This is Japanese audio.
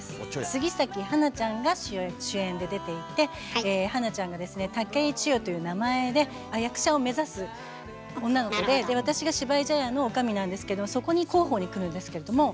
杉咲花ちゃんが主演で出ていて花ちゃんがですね竹井千代という名前で役者を目指す女の子で私が芝居茶屋のおかみなんですけどそこにコウホウに来るんですけれども。